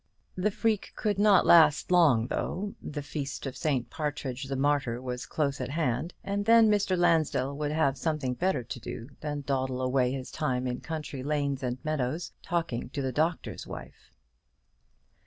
The freak could not last long, though: the feast of St. Partridge the Martyr was close at hand, and then Mr. Lansdell would have something better to do than to dawdle away his time in country lanes and meadows, talking to the Doctor's Wife.